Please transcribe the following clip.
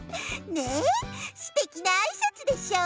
ねっすてきなあいさつでしょ？